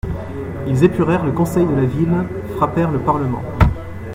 Ils épurèrent le conseil de la ville, frappèrent le parlement.